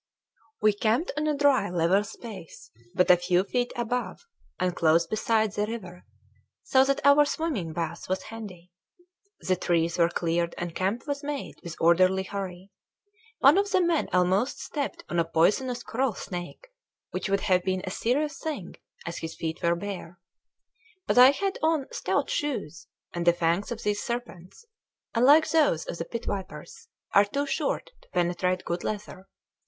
We camped on a dry level space, but a few feet above, and close beside, the river so that our swimming bath was handy. The trees were cleared and camp was made with orderly hurry. One of the men almost stepped on a poisonous coral snake, which would have been a serious thing, as his feet were bare. But I had on stout shoes, and the fangs of these serpents unlike those of the pit vipers are too short to penetrate good leather.